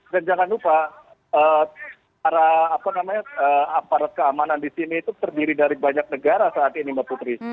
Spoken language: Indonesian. dan jangan lupa para apa namanya aparat keamanan di sini itu terdiri dari banyak negara saat ini mbak putri